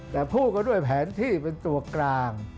แต่พูดกันด้วยแผนที่เป็นตัวกลาง